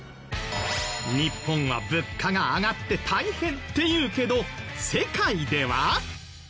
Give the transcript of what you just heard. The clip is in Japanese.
日本は物価が上がって大変っていうけど世界では？